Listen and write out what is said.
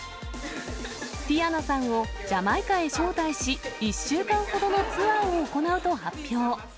ティヤナさんを、ジャマイカに招待し、１週間ほどのツアーを行うと発表。